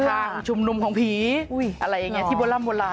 ทางชุมนุมของผีอะไรอย่างเงี้ยที่บนร่ำบนร้าน